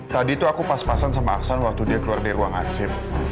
tadi tuh aku pas pasan sama aksan waktu dia keluar dari ruang arsip